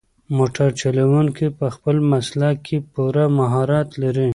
موټر چلونکی په خپل مسلک کې پوره مهارت لري.